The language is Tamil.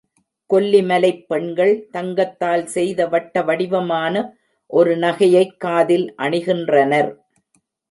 கொல்லிமலைப் பெண்கள் தங்கத்தால் செய்த வட்ட வடிவமான ஒரு நகையைக் காதில் அணிகின்ற னர்.